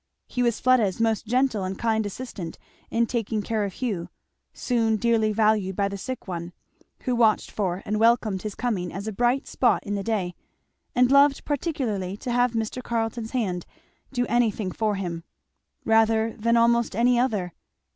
He was Fleda's most gentle and kind assistant in taking care of Hugh, soon dearly valued by the sick one, who watched for and welcomed his coming as a bright spot in the day; and loved particularly to have Mr. Carleton's hand do anything for him. Rather than almost any other.